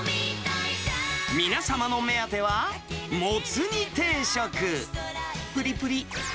皆様のお目当ては、モツ煮定食。